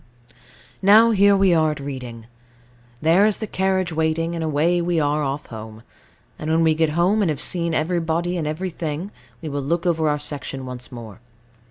Now here we are at Reading. There is the carriage waiting, and away we are off home; and when we get home, and have seen everybody and everything, we will look over our section once more.